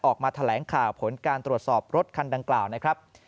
ออกมาแถลงข่าวผลการตรวจสอบรถคันดังกล่าวนะครับ